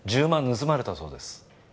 盗まれたそうです。